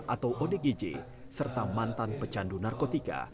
atau odgj serta mantan pecandu narkotika